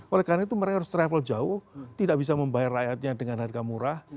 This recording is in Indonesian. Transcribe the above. oleh karena itu mereka harus travel jauh tidak bisa membayar rakyatnya dengan harga murah